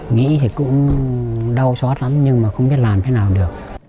nghĩ thì cũng đau xót lắm nhưng mà không biết làm thế nào được